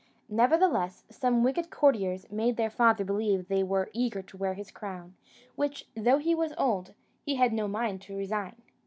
Nevertheless, some wicked courtiers made their father believe they were eager to wear his crown, which, though he was old, he had no mind to resign.